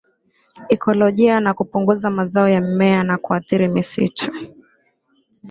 ikolojia na kupunguza mazao ya mimea na kuathiri misitu